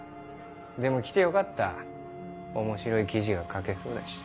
でも来てよかった面白い記事が書けそうだし。